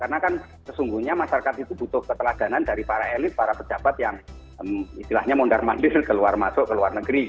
karena kan sesungguhnya masyarakat itu butuh keteladanan dari para elit para pejabat yang itilahnya mondar mandir keluar masuk ke luar negeri